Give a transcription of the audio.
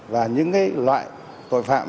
và những loại tội phạm